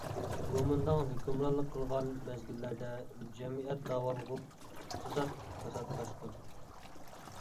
گومىنداڭ ھۆكۈمرانلىق قىلغان مەزگىللەردە جەمئىيەت داۋالغۇپ، ئىقتىساد كاساتلاشقان.